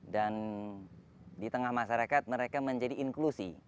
dan di tengah masyarakat mereka menjadi inklusi